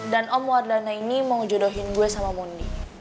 dan om wardana ini mau jodohin gue sama mondi